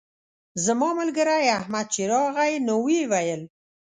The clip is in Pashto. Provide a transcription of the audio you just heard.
زما ملګری احمد چې راغی نو ویې ویل.